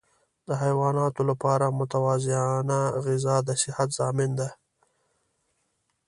د حیواناتو لپاره متوازنه غذا د صحت ضامن ده.